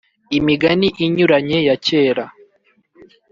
Imigani inyuranye yacyera